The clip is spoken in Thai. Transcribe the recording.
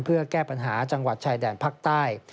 เพื่อแก้ปัญหาจังหวัดชายแดนภาคใต้